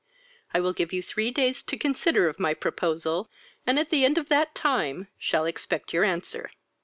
I will give you three days to consider of my proposal, and at the end of that time shall expect your answer."